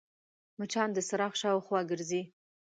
مچان د څراغ شاوخوا ګرځي